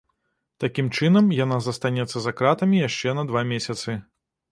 Такім чынам, яна застанецца за кратамі яшчэ на два месяцы.